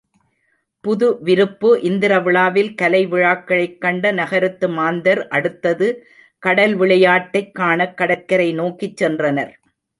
புது விருப்பு இந்திரவிழாவில் கலைவிழாக்களைக் கண்ட நகரத்து மாந்தர் அடுத்தது கடல்விளையாட்டைக் காணக் கடற்கரை நோக்கிச் சென்றனர்.